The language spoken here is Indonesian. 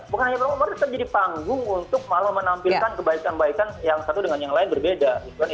bukan hanya panggung harus menjadi panggung untuk malah menampilkan kebaikan baikan yang satu dengan yang lain berbeda